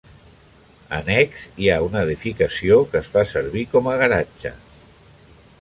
Annex hi ha una edificació que es fa servir com a garatge.